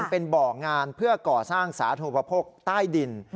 เป็นบ่องานเพื่อก่อสร้างสาธุปโภคใต้ดิน